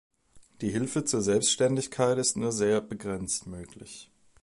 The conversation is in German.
Die Hilfe zur Selbstständigkeit ist nur sehr begrenzt möglich.